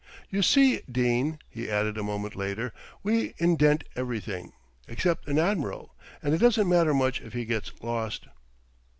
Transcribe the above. You see, Dene," he added a moment later, "we indent everything except an admiral, and it doesn't matter much if he gets lost."